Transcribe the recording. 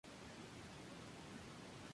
La sede de condado es Foley.